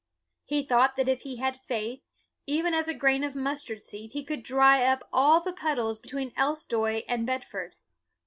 He thought that if he had faith, even as a grain of mustard seed, he could dry up all the puddles between Elstow and Bedford.